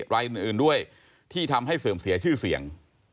รายอื่นด้วยที่ทำให้เสื่อมเสียชื่อเสียง